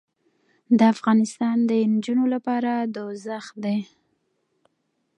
دافغانستان د نجونو لپاره دوزخ دې